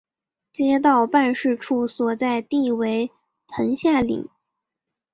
街道办事处所在地为棚下岭。